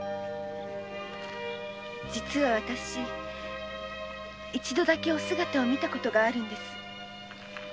実はわたし一度だけお姿を見たことがあるんです。